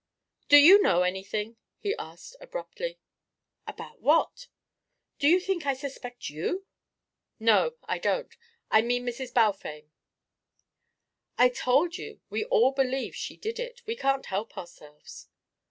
"Do you know anything?" he asked abruptly. "About what? Do you think I suspect you?" "No, I don't. I mean Mrs. Balfame." "I told you we all believe she did it. We can't help ourselves."